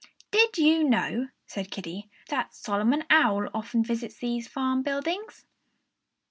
"Did you know," said Kiddie, "that Solomon Owl often visits these farm buildings?"